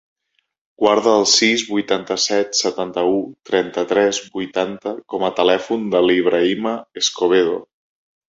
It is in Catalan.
Guarda el sis, vuitanta-set, setanta-u, trenta-tres, vuitanta com a telèfon de l'Ibrahima Escobedo.